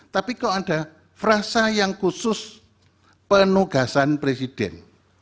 tapi kok ada frasa yang khusus penugasan presiden